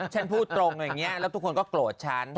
พูดตรงอย่างนี้แล้วทุกคนก็โกรธฉัน